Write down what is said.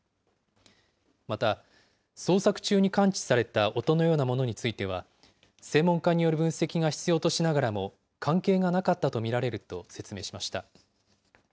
また、捜索中に感知された音のようなものについては、専門家による分析が必要としながらも、関係がなかったと見られると説明しました。